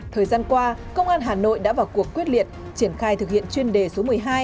thời gian qua công an hà nội đã vào cuộc quyết liệt triển khai thực hiện chuyên đề số một mươi hai